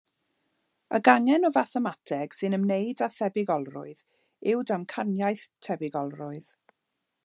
Y gangen o fathemateg sy'n ymwneud â thebygolrwydd yw damcaniaeth tebygolrwydd.